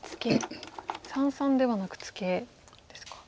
三々ではなくツケですか。